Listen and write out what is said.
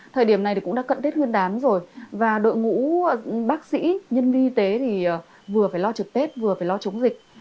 thời điểm này cũng đã cận tết nguyên đán rồi và đội ngũ bác sĩ nhân viên y tế thì vừa phải lo trực tết vừa phải lo chống dịch